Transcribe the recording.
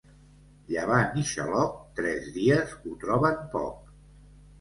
Llevant i xaloc, tres dies ho troben poc.